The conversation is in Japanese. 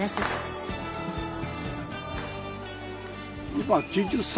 今は９０歳